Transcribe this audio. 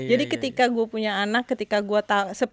jadi ketika gue punya anak ketika gue tahu